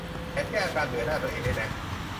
แถมแก้อาการเบื่อหน้าตัวเองด้วยนะ